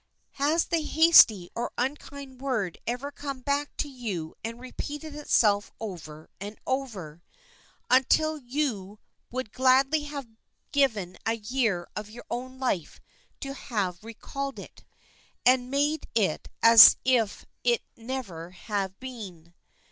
Has the hasty or unkind word ever come back to you and repeated itself over and over, until you would gladly have given a year of your own life to have recalled it, and made it as if it had never been?